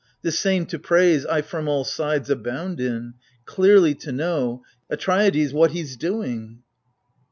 This same to praise I from all sides abound in — Clearly to know — Atreides, what he's doing